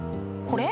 これ？